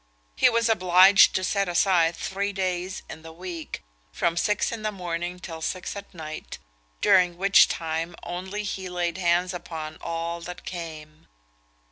He was obliged to set aside three days in the week, from six in the morning till six at night, during which time only he laid hands upon all that came.